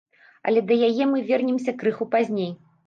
Але да яе мы вернемся крыху пазней.